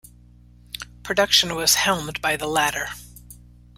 Production was helmed by the latter.